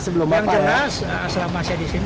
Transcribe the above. sebelum yang jelas selama saya di sini